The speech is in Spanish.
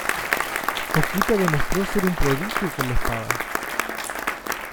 Okita demostró ser un prodigio con la espada.